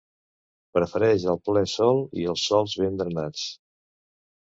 Prefereix el ple sol i els sòls ben drenats.